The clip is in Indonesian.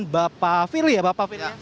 bapak fili ya bapak fili